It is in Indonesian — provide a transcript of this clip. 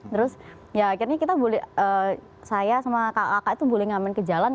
terus ya akhirnya kita boleh saya sama kakak itu boleh ngamen ke jalan